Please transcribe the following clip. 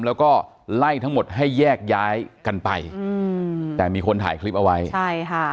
แล้วก็ไล่ทั้งหมดให้แยกย้ายกันไปอืมแต่มีคนถ่ายคลิปเอาไว้ใช่ค่ะ